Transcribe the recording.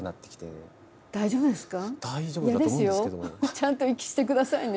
ちゃんと息してくださいね。